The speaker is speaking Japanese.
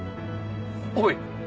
おい。